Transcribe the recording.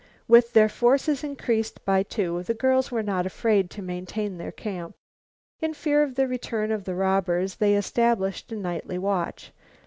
With their forces increased by two the girls were not afraid to maintain their camp. In fear of the return of the robbers they established a nightly watch.